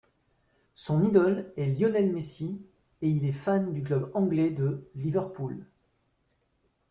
Son idole est Lionel Messi et il est fan du club anglais de Liverpool.